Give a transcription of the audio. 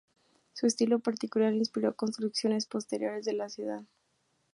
Su estilo particular inspiró construcciones posteriores de la ciudad.